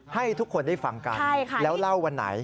ให้ทุกคนได้ฟังกันแล้วเล่าวันไหน